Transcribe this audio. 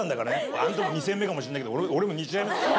あなたも２戦目かもしれないけど、俺も２試合目。